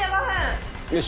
よし。